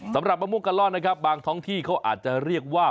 สำหรับมะม่วงกะล่อนนะครับบางท้องที่เขาอาจจะเรียกว่า